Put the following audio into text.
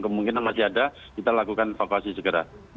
mungkin masih ada kita lakukan vokasi segera